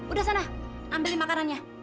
udah sana ambilin makanannya